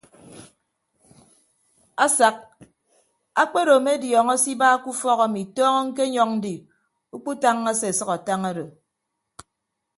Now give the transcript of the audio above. Asak akpedo ame adiọñọ se iba ke ufọk ami tọñọ ñkenyọñ ndi ukpu tañña se asʌk atañ odo.